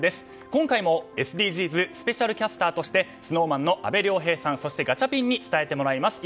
今回もＳＤＧｓスペシャルキャスターとしてＳｎｏｗＭａｎの阿部亮平さんそしてガチャピンに伝えてもらいます。